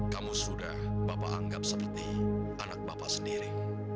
kamu sudah bapak anggap seperti anak bapak sendiri